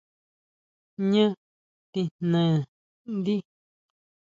¿Jñá tijnaene ndí?